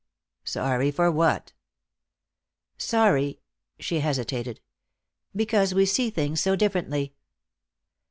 "Sorry for what?" "Sorry " she hesitated. "Because we see things so differently."